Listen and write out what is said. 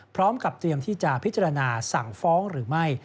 พร้อมกับเตรียมที่จะพิจารณาสั่งฟ้องหรือไม่